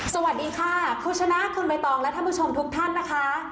สวัสดีค่ะคุณชนะคุณใบตองและท่านผู้ชมทุกท่านนะคะ